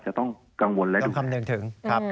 จะต้องกังวลและดูขมนึง